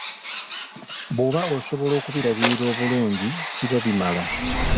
Bwoba osobola okubirabirira obulungi kiba bimala.